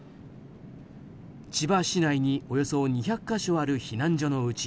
千葉市内におよそ２００か所ある避難所のうち